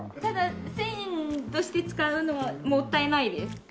ただ１０００円として使うのはもったいないです。